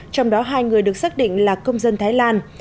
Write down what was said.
trong đó hai người được xác định là công dân thái lan